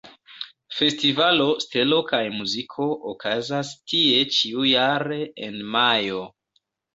Festivalo "Stelo kaj Muziko" okazas tie ĉiujare en majo.